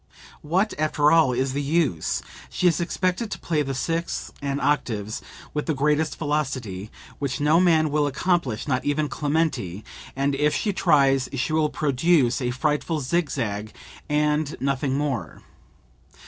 What, after all, is the use? She is expected to play the sixths and octaves with the greatest velocity (which no man will accomplish, not even Clementi), and if she tries she will produce a frightful zig zag, and nothing more.